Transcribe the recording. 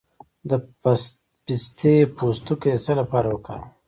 د پسته پوستکی د څه لپاره وکاروم؟